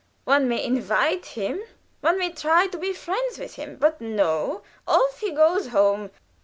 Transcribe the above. One may invite him, one may try to be friends with him, but, no! off he goes home!